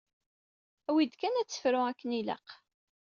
Awi-d kan ad tefru akken ilaq.